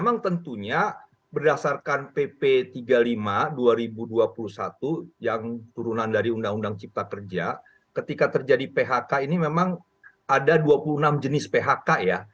memang tentunya berdasarkan pp tiga puluh lima dua ribu dua puluh satu yang turunan dari undang undang cipta kerja ketika terjadi phk ini memang ada dua puluh enam jenis phk ya